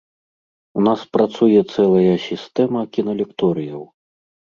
У нас працуе цэлая сістэма кіналекторыяў.